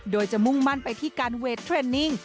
โดยจะมุ่งมั่นไปที่การเวทเทรนนิ่ง